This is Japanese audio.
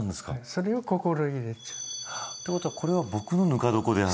それを「心入れ」というの。ということはこれは僕のぬか床であって。